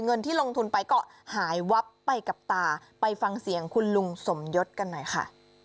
เงินที่ลงทุนไปก็หายวับไปกับตาไปฟังเสียงคุณลุงสมยศกันหน่อยค่ะ